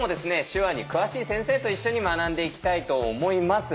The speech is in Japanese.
手話に詳しい先生と一緒に学んでいきたいと思います。